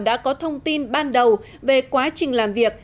đã có thông tin ban đầu về quá trình làm việc